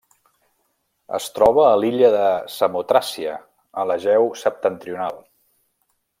Es troba a l'illa de Samotràcia, a l'Egeu septentrional.